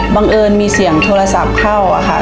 เอิญมีเสียงโทรศัพท์เข้าอะค่ะ